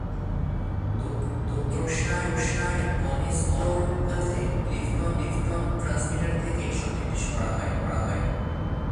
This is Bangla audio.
দক্ষিণ ইয়র্কশায়ারের কনিসব্রোর কাছে ক্লিফটন ট্রান্সমিটার থেকে সংকেতটি সম্প্রচার করা হয়।